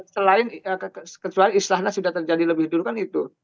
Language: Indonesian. selain kecuali istana sudah terjadi lebih dulu kan itu